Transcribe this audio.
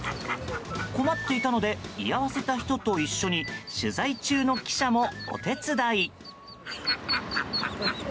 困っていたので居合わせた人と一緒に取材中の記者もお手伝い。